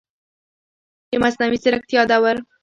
د مصنوعي ځیرکتیا دور